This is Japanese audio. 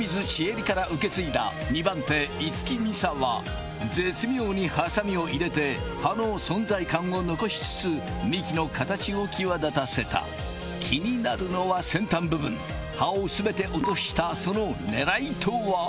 りから受け継いだ２番手・樹弥沙は絶妙にハサミを入れて葉の存在感を残しつつ幹の形を際立たせた気になるのは先端部分葉を全て落としたそのねらいとは？